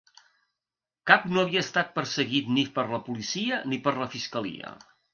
Cap no havia estat perseguit ni per la policia ni per la fiscalia.